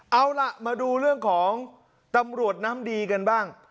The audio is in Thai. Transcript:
เอาล่ะมาดูเรื่องของตำรวจน้ำดีกันบ้าง